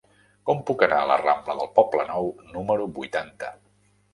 Com puc anar a la rambla del Poblenou número vuitanta?